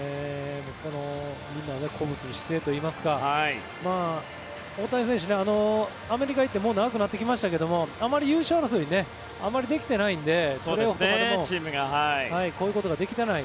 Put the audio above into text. みんなを鼓舞する姿勢といいますかアメリカに行ってもう長くなってきましたがあまり優勝争いにあまりできてないのでこういうことができてない。